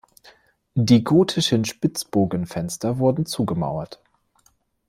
Die gotischen Spitzbogenfenster wurden zugemauert.